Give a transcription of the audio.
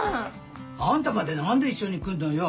あんたまで何で一緒に来んのよ。